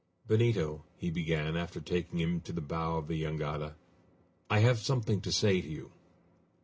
"Benito," he began, after taking him to the bow of the jangada, "I have something to say to you."